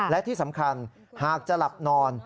และที่สำคัญหากจะหลับนอน